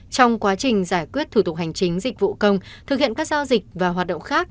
trong quá trình giải quyết thủ tục hành chính dịch vụ công thực hiện các giao dịch và hoạt động khác